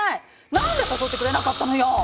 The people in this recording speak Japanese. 何で誘ってくれなかったのよ！